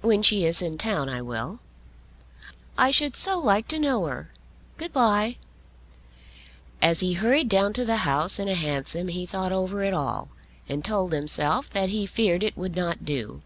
"When she is in town I will." "I should so like to know her. Good bye." As he hurried down to the House in a hansom he thought over it all, and told himself that he feared it would not do.